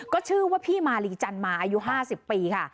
ก็ชื่อว่าพี่มาลีจันมาอายุ๕๐ปีค่ะ